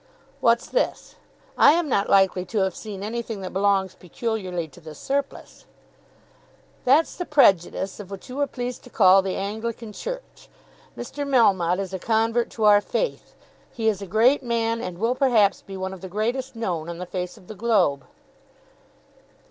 "What's this? I am not likely to have seen anything that belongs peculiarly to 'The Surplice.'" "That's the prejudice of what you are pleased to call the Anglican Church. Mr. Melmotte is a convert to our faith. He is a great man, and will perhaps be one of the greatest known on the face of the globe."